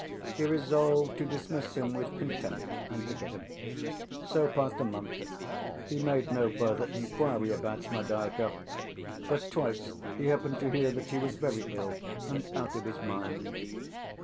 He resolved to dismiss him with contempt and forget him. So passed a month. He made no further inquiry about Smerdyakov, but twice he happened to hear that he was very ill and out of his mind.